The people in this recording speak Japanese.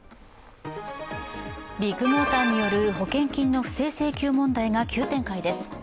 ビッグモーターによる保険金の不正請求問題が急展開です。